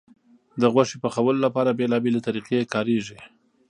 د غوښې پخولو لپاره بیلابیلې طریقې کارېږي.